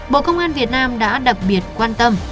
bộ công an việt nam đã đặc biệt quan tâm